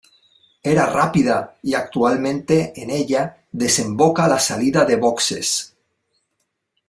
Era rápida y actualmente en ella desemboca la salida de boxes.